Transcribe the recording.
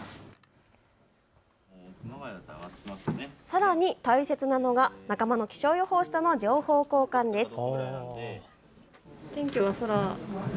さらに大切なのが仲間の気象予報士との情報交換です。